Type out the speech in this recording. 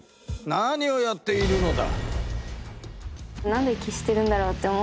何をやっているのだ？